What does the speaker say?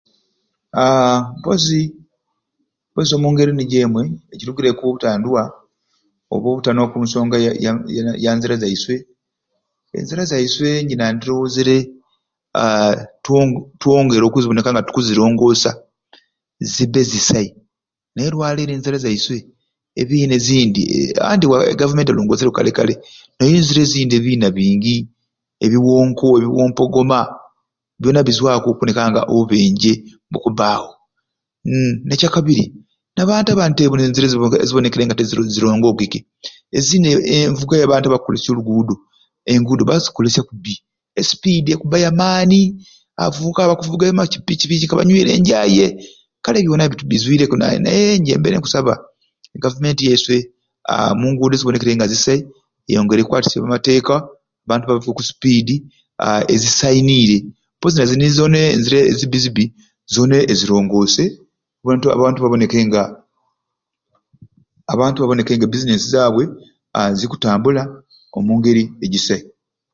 Aaa mpozi mpozi omungeri nijo emwe ekirugireku obutandwa oba obutanwa okunsonga ya ya ya nzira zaiswe enzira zaiswe nje nandirowoozere aa twonge twongereko okuboneka nga tukuzirongoosa zibbe zisai naye olwaleero enzira zaiswe ebiina ezindi anti waaa e Gavumenti elongosere kale kale naye enzira ezindi ebiina bingi ebiwonko ebiwompogoma byoona bizwaku okuboneka nga obubenje bukubbaawo. Umm nekyakabiri n'abantu abandi te abandi nibabona nga enzira ziringoku ezindi abantu abakolesya enguudo enguudo bazikolesya kubbi, e sipiidi ekubba ya maani abavubuka bakuvuga amapikipiki ka abanywiire enjaye kale byoona bizwiireku naye naye nje mbaire nkusaba gavumenti yaiswe aa omungundo ezibonekere nga zisai eyongere ekwatisye amateeka abantu bavuge e sipiidi aa ezisaine mpozi nazi zoona enzira ezibbizibbi zoona ezirongoose abantu abantu baboneke nga ebizinesi zaabwe aa nga zikutambula omungeri egisai.